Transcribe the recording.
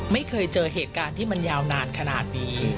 ไม่เคยเจอเหตุการณ์ที่มันยาวนานขนาดนี้